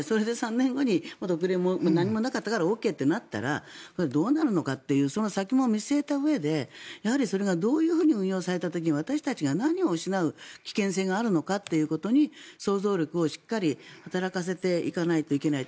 ３年後に、特例も何もなかったらＯＫとなったらどうなるのかというその先も見据えたうえでそれがどういうふうに引用された時私たちが何を失うかという危険性があるのかを想像力をしっかり働かせていかないといけない。